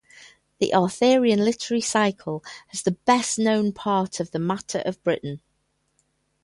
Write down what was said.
The Arthurian literary cycle is the best known part of the Matter of Britain.